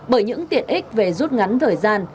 bởi những tiện ích về rút ngắn thời gian